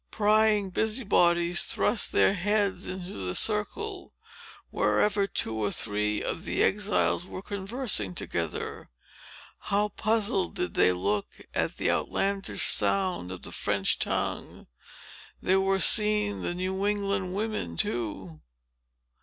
Prying busy bodies thrust their heads into the circle, wherever two or three of the exiles were conversing together. How puzzled did they look, at the outlandish sound of the French tongue! There were seen the New England women, too.